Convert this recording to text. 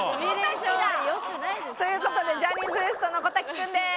小瀧だ！という事でジャニーズＷＥＳＴの小瀧君です。